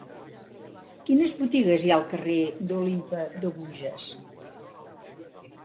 Quines botigues hi ha al carrer d'Olympe de Gouges?